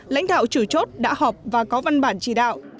lãnh đạo chủ chốt đã họp và có văn bản chỉ đạo